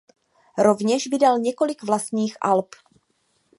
Rovněž vydal několik vlastních alb.